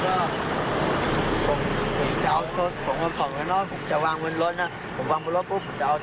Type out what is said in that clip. ต่อไปเดี๋ยวข้องของแล้วผมจะวางเวินรอยแล้วปุ่มวันบุรุษหู้จะอ้าว